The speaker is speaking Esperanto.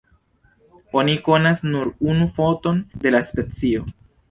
Oni konas nur unu foton de la specio.